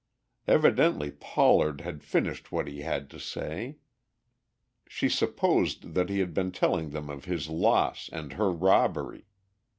Evidently Pollard had finished what he had to say. She supposed that he had been telling them of his loss and her robbery.